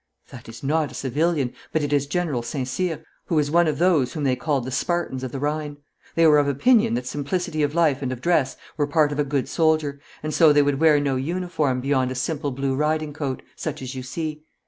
'That is not a civilian, but it is General St. Cyr, who is one of those whom they called the Spartans of the Rhine. They were of opinion that simplicity of life and of dress were part of a good soldier, and so they would wear no uniform beyond a simple blue riding coat, such as you see.